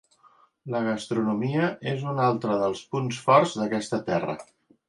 La gastronomia és un altre dels punts forts d'aquesta terra.